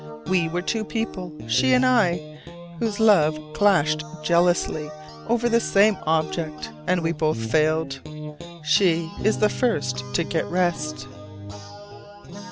We were two people, she and I, whose love clashed jealously over the same object, and we both failed. She is the first to get rest.